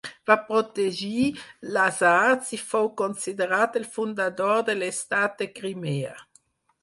Va protegir les arts i fou considerat el fundador de l'estat de Crimea.